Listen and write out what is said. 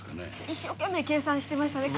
一生懸命計算してましたね。